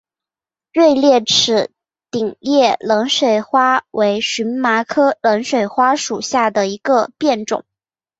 锐裂齿顶叶冷水花为荨麻科冷水花属下的一个变种。